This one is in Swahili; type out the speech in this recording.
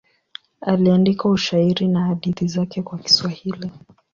Aliandika ushairi na hadithi zake kwa Kiswahili.